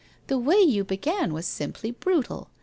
The way you began was simply brutal.